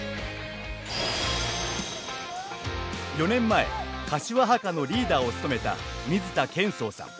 ４年前、柏ハカのリーダーを務めた水田謙壮さん。